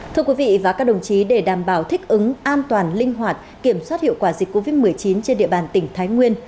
thưa quý vị và các đồng chí để đảm bảo thích ứng an toàn linh hoạt kiểm soát hiệu quả dịch covid một mươi chín trên địa bàn tỉnh thái nguyên